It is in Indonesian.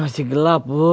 masih gelap bu